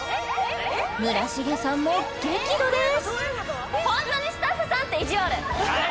村重さんも激怒です